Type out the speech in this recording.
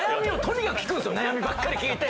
悩みばっかり聞いて。